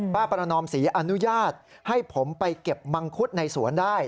ประนอมศรีอนุญาตให้ผมไปเก็บมังคุดในสวนได้